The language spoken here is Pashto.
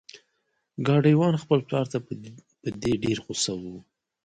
ګاډی وان خپل پلار ته په دې ډیر غوسه و.